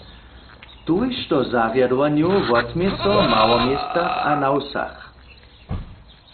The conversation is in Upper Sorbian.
Tójšto zarjadowanjow wotmě so w małoměstach a na wsach.